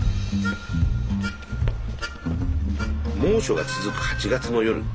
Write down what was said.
猛暑が続く８月の夜